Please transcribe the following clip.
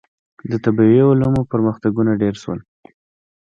• د طبیعي علومو پرمختګونه ډېر شول.